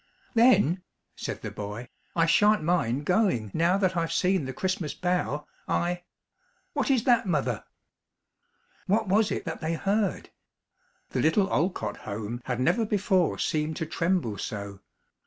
"Then," said the boy, "I sha'n't mind going, now that I've seen the Christmas bough. I What is that, mother?" What was it that they heard? The little Olcott home had never before seemed to tremble so.